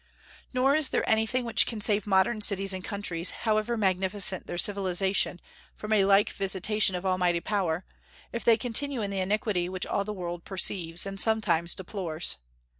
Nor is there anything which can save modern cities and countries, however magnificent their civilization, from a like visitation of Almighty power, if they continue in the iniquity which all the world perceives, and sometimes deplores.